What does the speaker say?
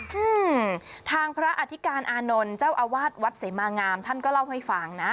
อืมทางพระอธิการอานนท์เจ้าอาวาสวัดเสมางามท่านก็เล่าให้ฟังนะ